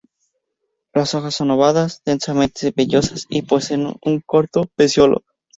Las hojas son ovadas, densamente vellosas y poseen un corto peciolo.